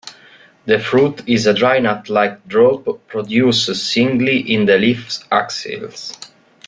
The fruit is a dry, nut-like drupe, produced singly in the leaf axils.